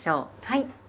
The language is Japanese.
はい。